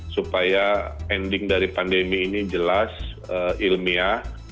supaya ending dari pandemi ini jelas ilmiah